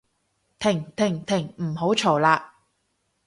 停停停唔好嘈喇